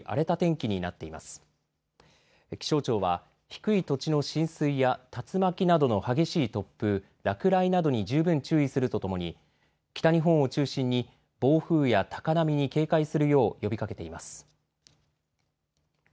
気象庁は低い土地の浸水や竜巻などの激しい突風、落雷などに十分注意するとともに北日本を中心に暴風や高波に警戒するよう呼びかけています。